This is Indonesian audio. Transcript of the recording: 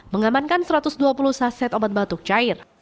mengamankan satu ratus dua puluh saset obat batuk cair